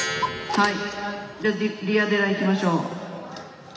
はい。